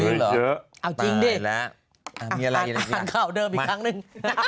อีกหรอเอาจริงดิตายแล้วมีอะไรข้างเข้าเดิมอีกครั้งหนึ่ง